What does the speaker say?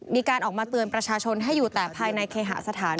มีการออกมาเตือนประชาชนให้อยู่แต่ภายในเคหสถาน